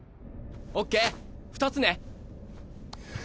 オッケー２つね。